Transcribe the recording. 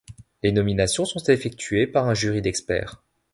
Les nominations sont effectuées par un jury d'experts.